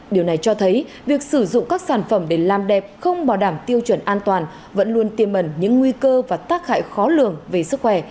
điều này cho thấy việc sử dụng các sản phẩm để làm đẹp không bảo đảm tiêu chuẩn an toàn vẫn luôn tiềm mẩn những nguy cơ và tác hại khó lường về sức khỏe